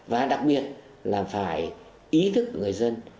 và đặc biệt là phải ý thức người dân